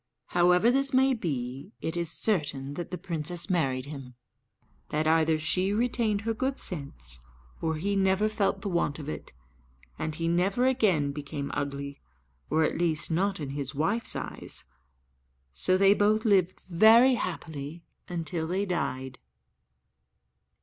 However this may be, it is certain that the princess married him; that either she retained her good sense, or he never felt the want of it; and he never again became ugly or, at least, not in his wife's eyes; so they both lived very happy until they died.